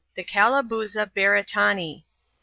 The Calabooza Beretanee.